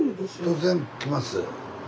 突然来ます。